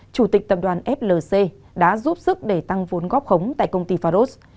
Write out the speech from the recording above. chủ tịch tập đoàn flc đã giúp sức để tăng vốn góp khống tại công ty faros